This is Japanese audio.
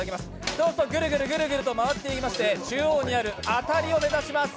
そうすると、ぐるぐるぐるぐると回っていきまして、中央にあるアタリを目指します。